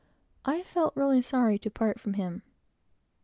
I felt really sorry to part from him.